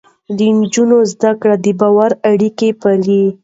د نجونو زده کړه د باور اړيکې پالي.